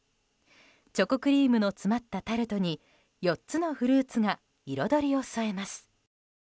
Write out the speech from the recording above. チョコクリームの詰まったタルトに、４つのフルーツが彩りを添えます。